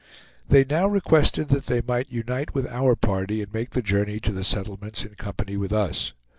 They now requested that they might unite with our party, and make the journey to the settlements in company with us.